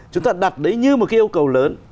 chúng ta đặt đấy như một cái yêu cầu lớn